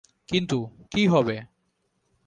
কিন্তু, কী হবে!